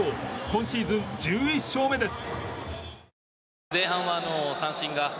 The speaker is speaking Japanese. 今シーズン、１１勝目です。